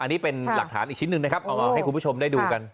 อันนี้เป็นหลักฐานอีกชิ้นหนึ่งนะครับเอามาให้คุณผู้ชมได้ดูกัน